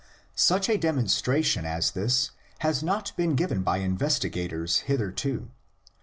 Such a demonstra tion as this has not been given by investigators hitherto."